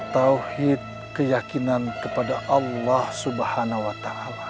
tauhid keyakinan kepada allah swt